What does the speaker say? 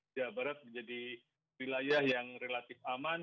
jawa barat menjadi wilayah yang relatif aman